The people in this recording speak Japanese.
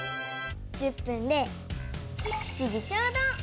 １０分で７時ちょうど！